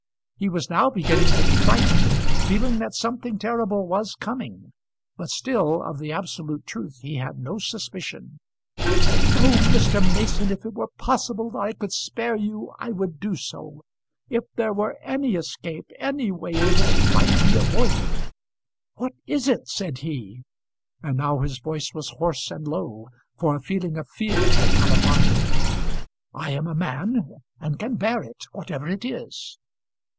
He was now beginning to be frightened, feeling that something terrible was coming; but still of the absolute truth he had no suspicion. "Oh! Mr. Mason, if it were possible that I could spare you I would do so. If there were any escape, any way in which it might be avoided." "What is it?" said he. And now his voice was hoarse and low, for a feeling of fear had come upon him. "I am a man and can bear it, whatever it is."